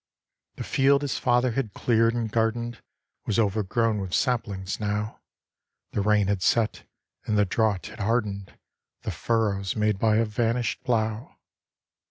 The field his father had cleared and gardened Was overgrown with saplings now; The rain had set and the drought had hardened The furrows made by a vanished plough.